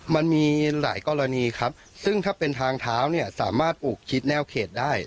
มันมีหลายกรณีครับซึ่งถ้าเป็นทางเท้าเนี่ยสามารถปลูกคิดแนวเขตได้